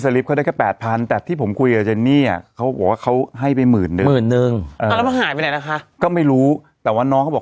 ลิปเขาได้แค่๘๐๐แต่ที่ผมคุยกับเจนนี่อ่ะเขาบอกว่าเขาให้ไปหมื่นนึงหมื่นนึงแล้วมันหายไปไหนนะคะก็ไม่รู้แต่ว่าน้องเขาบอก